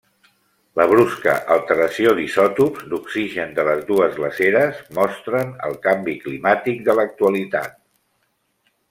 La brusca alteració d'isòtops d'oxigen de les dues glaceres mostren el canvi climàtic de l'actualitat.